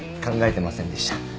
考えてませんでした。